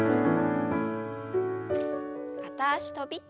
片脚跳び。